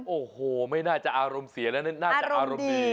โอ้โหไม่น่าจะอารมณ์เสียแล้วน่าจะอารมณ์ดี